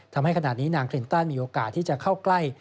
ทำให้ขณะนี้นางคลินตันมีโอกาสที่จะเข้าใกล้